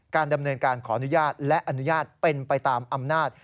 ดำเนินการขออนุญาตและอนุญาตเป็นไปตามอำนาจ